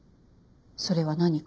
それは何か？」